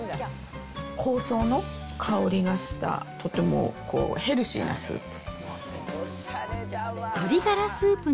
香草の香りがした、とてもヘルシーなスープ。